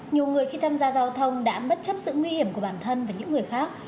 nhiều người khi tham gia giao thông đã bất chấp sự nguy hiểm của bản thân và những người khác